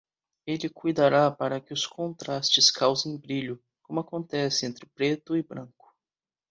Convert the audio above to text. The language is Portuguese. Ele cuidará para que os contrastes causem brilho, como acontece entre preto e branco.